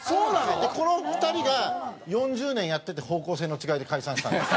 この２人が４０年やってて方向性の違いで解散したんです。